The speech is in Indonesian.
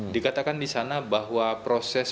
dikatakan di sana bahwa proses